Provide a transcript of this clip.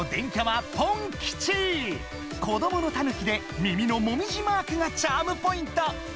子どものたぬきで耳のもみじマークがチャームポイント！